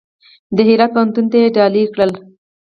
د هرات پوهنتون ته یې ډالۍ کړل.